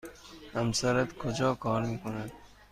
همسرت کجا کار می کند؟